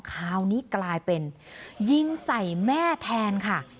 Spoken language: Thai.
คราวนี้กลายเป็นยิงใส่แม่แทนค่ะ